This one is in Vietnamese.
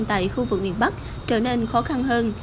tại khu vực miền bắc trở nên khó khăn hơn